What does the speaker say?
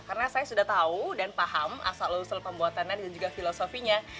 karena saya sudah tahu dan paham asal usul pembuatannya dan juga filosofinya